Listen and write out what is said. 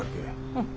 うん。